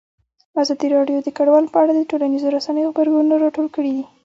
ازادي راډیو د کډوال په اړه د ټولنیزو رسنیو غبرګونونه راټول کړي.